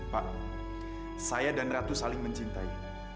pak saya dan ratu saling mencintai